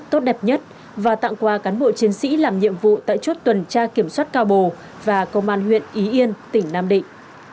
tốt đẹp nhất và tặng quà cán bộ chiến sĩ làm nhiệm vụ tại chốt tuần tra kiểm soát cao bồ và công an huyện ý yên tỉnh nam định